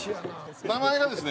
名前がですね